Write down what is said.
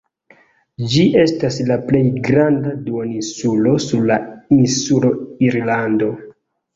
Ĝi estas la plej granda duoninsulo sur la insulo Irlando.